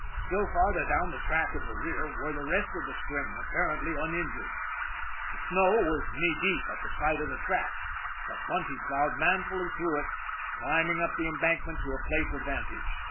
Still farther down the track in the rear were the rest of the string, apparently uninjured. The snow was knee deep at the side of the track, but Bunty plowed manfully through it, climbing up the embankment to a place of vantage.